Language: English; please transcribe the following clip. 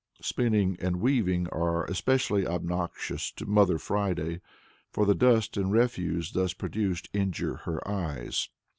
Spinning and weaving are especially obnoxious to "Mother Friday," for the dust and refuse thus produced injure her eyes.